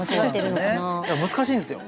だから難しいんですよ。